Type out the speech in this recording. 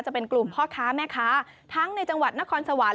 จะเป็นกลุ่มพ่อค้าแม่ค้าทั้งในจังหวัดนครสวรรค